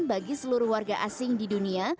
bagi seluruh warga asing di dunia